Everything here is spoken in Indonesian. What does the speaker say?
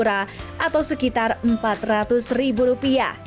atau sekitar rp empat ratus